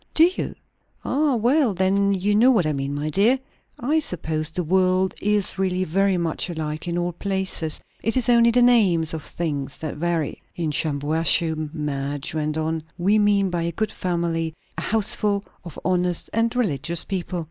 "Do you? Ah well, then you know what I mean, my dear. I suppose the world is really very much alike in all places; it is only the names of things that vary." "In Shampuashuh," Madge went on, "we mean by a good family, a houseful of honest and religious people."